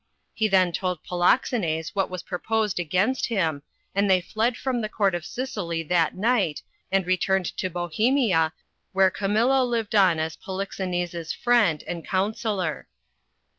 He then told Polixenes what was proposed against him, and they fled from the Court of Sicily that night, and returned to Bohemia where Camillo lived on as Polixenes' friend and coun sellor.